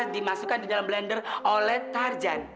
dimasukkan di dalam blender oleh tarjan